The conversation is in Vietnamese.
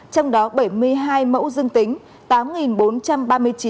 trong đó bảy mươi hai mẫu dương tính